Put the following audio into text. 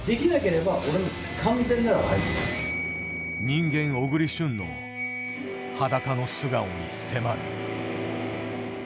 人間・小栗旬の裸の素顔に迫る。